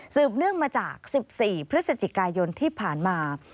เนื่องมาจาก๑๔พฤศจิกายนที่ผ่านมา